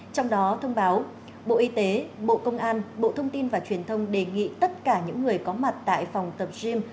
trong đó thông báo bộ y tế bộ công an bộ thông tin và truyền thông đề nghị tất cả những người có mặt tại phòng tập gym